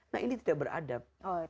nah ini tidak beradab